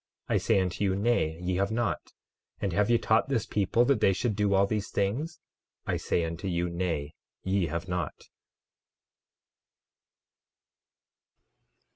I say unto you, Nay, ye have not. And have ye taught this people that they should do all these things? I say unto you, Nay, ye have not.